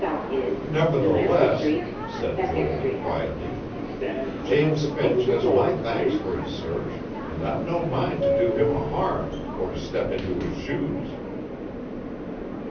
"Nevertheless," said Joel quietly, "James Finch has my thanks for his search; and I'm no mind to do him a harm, or to step into his shoes."